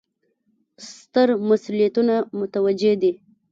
ستر مسوولیتونه متوجه دي.